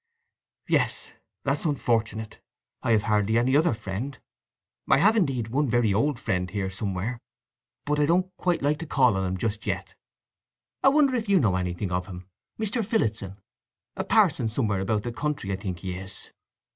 "Yes. That's unfortunate. I have hardly any other friend. I have, indeed, one very old friend here somewhere, but I don't quite like to call on him just yet. I wonder if you know anything of him—Mr. Phillotson? A parson somewhere about the county I think he is."